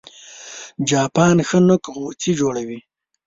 چاپان ښه نوک غوڅي جوړوي